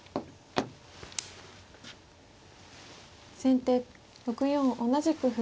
先手６四同じく歩。